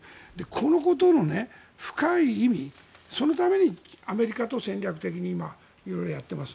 このことの深い意味そのためにアメリカと戦略的に今、色々やっています。